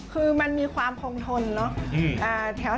คือมันมีความคงทนเนอะ